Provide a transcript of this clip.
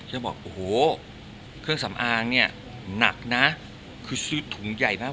จะบอกโอ้โหเครื่องสำอางเนี่ยหนักนะคือซื้อถุงใหญ่มาก